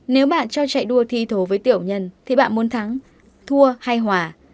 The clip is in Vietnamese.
nếu bạn cho chạy đua thi thồ với tiểu nhân thì bạn muốn thắng thua hay hòa